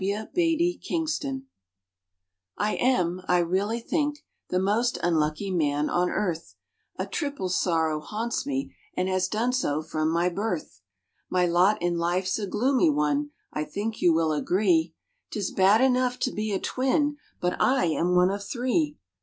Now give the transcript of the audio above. W. BEATTY KINGSTON. I am, I really think, the most unlucky man on earth; A triple sorrow haunts me, and has done so from my birth. My lot in life's a gloomy one, I think you will agree; 'Tis bad enough to be a twin but I am one of three!